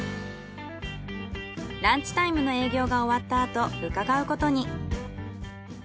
ランチタイムの営業が終わったあと伺うことに。